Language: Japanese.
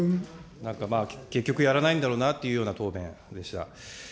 なんか結局やらないんだろうなというような答弁でした。